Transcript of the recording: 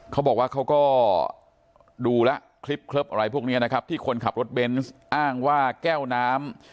เขาบอกว่าเขาก็ดูแล้วคลิปเคลิปอะไรพวกนี้นะครับที่คนขับรถเบนส์อ้างว่าแก้วน้ำ